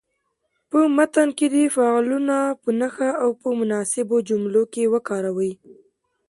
په متن کې دې فعلونه په نښه او په مناسبو جملو کې وکاروئ.